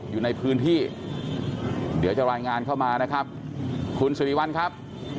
อยู่ในพื้นที่เดี๋ยวจะรายงานเข้ามานะครับคุณสิริวัลครับ